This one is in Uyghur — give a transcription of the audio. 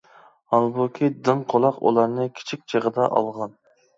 ھالبۇكى، دىڭ قۇلاق ئۇلارنى كىچىك چېغىدا ئالغان.